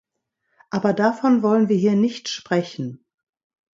Aber davon wollen wir hier nicht sprechen.